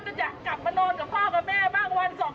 ถือแจกแกลับมานอนกับพ่อกับแม่กัน๒วันนั้นยัง